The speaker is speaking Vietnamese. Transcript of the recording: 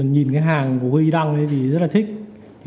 nhìn cái hàng của huy đăng thì rất là thích